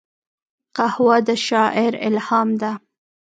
قهوه د شاعر الهام ده